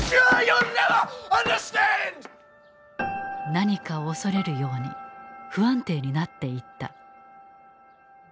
何かを恐れるように不安定になっていった。